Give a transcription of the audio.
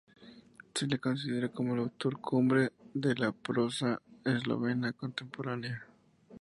Se le considera como el autor cumbre de la prosa eslovena contemporánea.